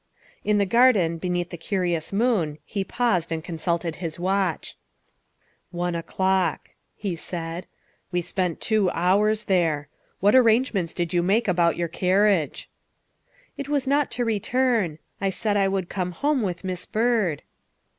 In the garden, beneath the curious moon, he paused and consulted his watch. " One o'clock," he said; " we spent two hours there. What arrangement did you make about your carriage ?''" It was not to return. I said I would come home with Miss Byrd."